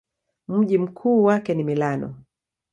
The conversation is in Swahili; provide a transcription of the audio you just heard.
Mji mkuu wake ni Milano.